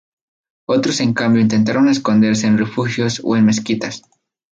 Otros en cambio intentaron esconderse en refugios o en mezquitas.